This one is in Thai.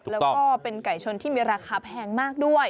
แล้วก็เป็นไก่ชนที่มีราคาแพงมากด้วย